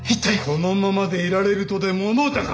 このままでいられるとでも思うたか？